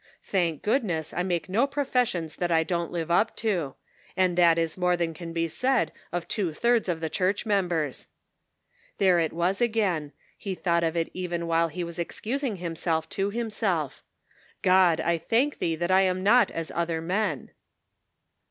Thank goodness, I make no professions that I don't live up to ; and that is more than can be said of two thirds of the church members." There 172 The Pocket Measure. it was again : he thought of it even while he was excusing himself to himself: " God, 1 thank thee that I am not as other men."